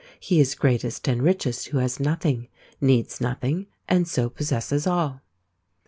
He is greatest and richest who has nothing, needs nothing, and so possesses all."